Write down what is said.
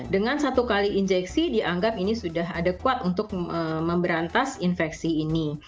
dengan satu kali injeksi dianggap ini sudah ada kuat untuk memberantas infeksi ini